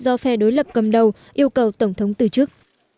do phe đối lập cầm đầu yêu cầu tổng thống từ chức